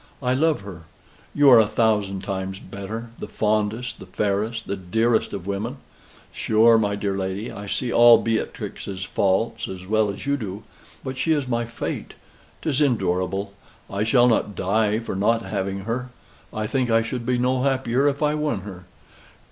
I love her. You are a thousand times better: the fondest, the fairest, the dearest of women. Sure, my dear lady, I see all Beatrix's faults as well as you do. But she is my fate. 'Tis endurable. I shall not die for not having her. I think I should be no happier if I won her.